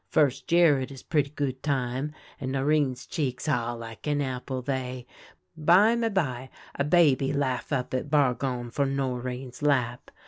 First year it is pretty good time, and Norinne's cheeks — ah, like an apple they. Bimeby a baby laugh up at Bargon from Norinne's lap.